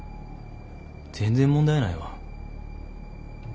全然問題ないわ。